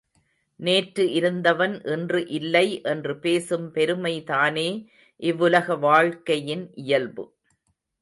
நேற்று இருந்தவன் இன்று இல்லை என்று பேசும் பெருமைதானே இவ்வுலக வாழ்க்கையின் இயல்பு.